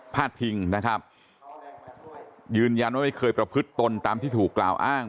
ดพิงนะครับยืนยันว่าไม่เคยประพฤติตนตามที่ถูกกล่าวอ้าง